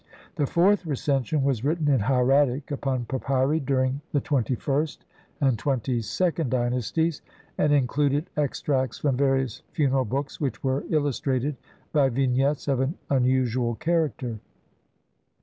The fourth Recension was written in hieratic upon papyri during the twenty first and twenty second dynasties, and in cluded extracts from various funeral books which were illustrated by Vignettes of an unusual character.